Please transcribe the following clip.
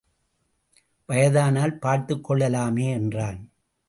வயதானால் பார்த்துக் கொள்ளலாமே என்றான்.